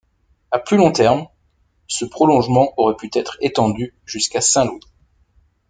À plus long terme, ce prolongement aurait pu être étendu jusqu'à Saint-Louis.